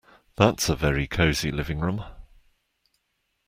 That's a very cosy living room